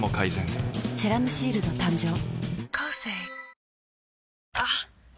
「セラムシールド」誕生あっ！